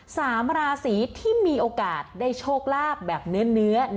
สามราศีที่มีโอกาสได้โชคลาภแบบเนื้อ